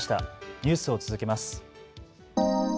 ニュースを続けます。